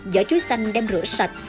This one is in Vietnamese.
giỏ chuối xanh đem rửa sạch